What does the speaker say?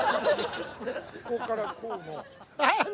ここからこうの。